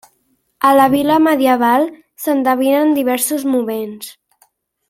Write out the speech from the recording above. A la vila medieval s'endevinen diversos moments.